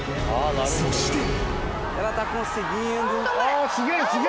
［そして］